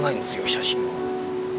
写真を。